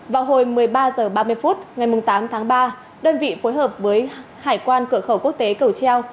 vào hồi một mươi ba h ba mươi phút ngày tám tháng ba đơn vị phối hợp với hải quan cửa khẩu quốc tế cầu treo